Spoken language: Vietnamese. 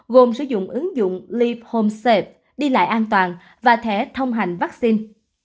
gồm sử dụng ứng dụng leave home safe đi lại an toàn và thẻ thông hành vaccine